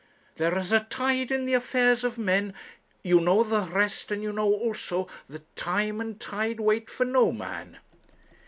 'There is a tide in the affairs of men' you know the rest; and you know also that 'tide and time wait for no man.'